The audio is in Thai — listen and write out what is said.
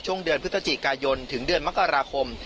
ช่วงเดือนพฤศจิกายนถึงเดือนมกราคม